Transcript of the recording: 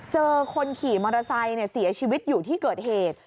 คนขี่มอเตอร์ไซค์เสียชีวิตอยู่ที่เกิดเหตุ